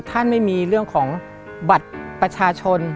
ท่านไม่มีเรื่องของบัตรประชาชน